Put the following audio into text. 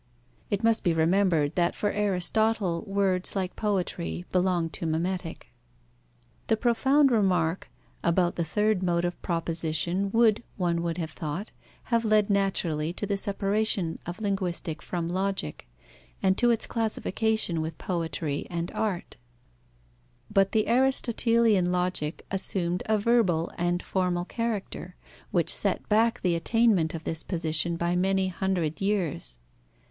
(It must be remembered that for Aristotle words, like poetry, belonged to mimetic.) The profound remark about the third mode of proposition would, one would have thought, have led naturally to the separation of linguistic from logic, and to its classification with poetry and art. But the Aristotelian logic assumed a verbal and formal character, which set back the attainment of this position by many hundred years.